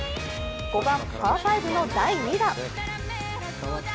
５番パー５の第２打。